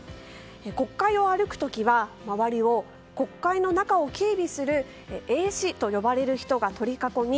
国会を歩く時は周りを国会の中を警備する衛視と呼ばれる人が取り囲み